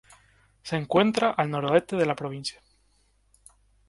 Se encuentra al noroeste de la provincia.